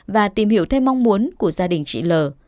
và tìm hiểu thêm mong muốn của gia đình chị l